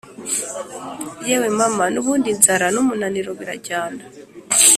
yewe mama, nubundi inzara numunaniro birajyana